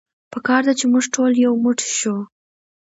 په کار ده چې مونږ ټول يو موټی شو.